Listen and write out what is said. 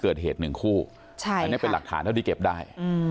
เกิดเหตุหนึ่งคู่อันนี้เป็นหลักฐานเท่าที่เก็บได้